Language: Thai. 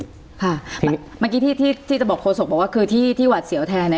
ค่ะเมื่อกี้ที่จะบอกโคสกบอกว่าที่หวัดเสียวแทน